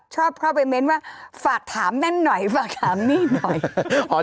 ชอบเข้าไปเม้นว่าฝากถามนั่นหน่อยฝากถามนี่หน่อย